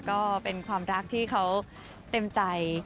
ก็เป็นความรักที่เขาเต็มใจ